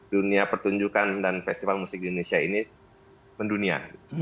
dunia pertunjukan dan festival musik di indonesia ini mendunia